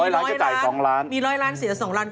๑๐๐ล้านก็จ่าย๒ล้านมี๑๐๐ล้านเสีย๒ล้านเขาไม่รู้สึกหรอก